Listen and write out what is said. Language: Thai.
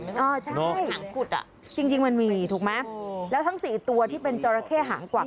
เออใช่จริงมันมีถูกไหมแล้วทั้งสี่ตัวที่เป็นจอราเข้หางกวัก